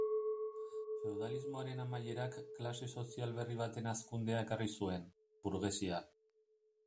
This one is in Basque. Feudalismoaren amaierak klase sozial berri baten hazkundea ekarri zuen: burgesia.